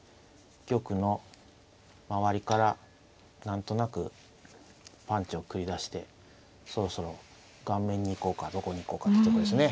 玉の周りから何となくパンチを繰り出してそろそろ顔面に行こうかどこに行こうかってとこですね。